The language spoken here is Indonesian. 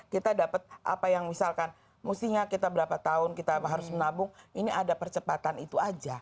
kita dapat apa yang misalkan mustinya kita berapa tahun kita harus menabung ini ada percepatan itu aja